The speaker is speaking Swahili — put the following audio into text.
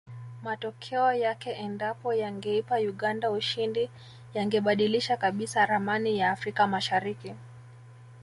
Matokeo yake endapo yangeipa Uganda ushindi yangebadilisha kabisa ramani ya Afrika mashariki